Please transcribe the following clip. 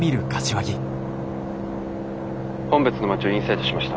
本別の街をインサイトしました。